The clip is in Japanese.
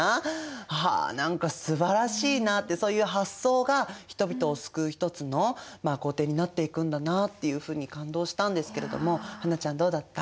あ何かすばらしいなってそういう発想が人々を救う一つの行程になっていくんだなっていうふうに感動したんですけれども英ちゃんどうだった？